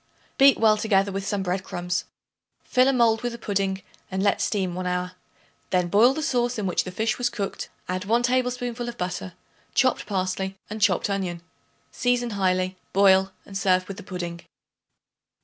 Beat well together with some bread crumbs; fill a mold with the pudding and let steam one hour; then boil the sauce in which the fish was cooked, add 1 tablespoonful of butter, chopped parsley and chopped onion. Season highly; boil and serve with the pudding.